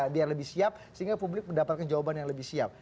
biar lebih siap sehingga publik mendapatkan jawaban yang lebih siap